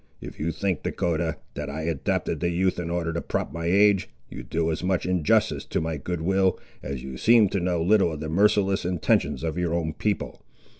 If you think, Dahcotah, that I adopted the youth in order to prop my age, you do as much injustice to my goodwill, as you seem to know little of the merciless intentions of your own people.